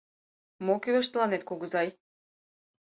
«Мо кӱлеш тыланет, кугызай?»